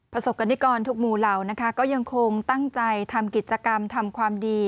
ประสบกรณิกรทุกหมู่เหล่านะคะก็ยังคงตั้งใจทำกิจกรรมทำความดี